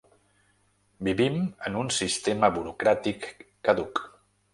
Vivim en un sistema burocràtic caduc.